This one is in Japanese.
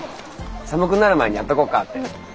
寒くなる前にやっとこうかって。